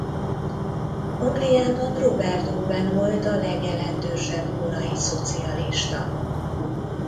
Angliában Robert Owen volt a legjelentősebb korai szocialista.